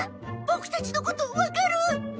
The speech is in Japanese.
ボクたちのことわかる？